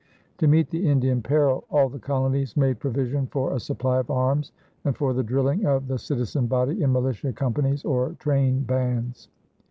To meet the Indian peril, all the colonies made provision for a supply of arms and for the drilling of the citizen body in militia companies or train bands.